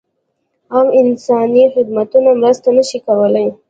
عام انساني خدمتونه مرسته نه شي کولای.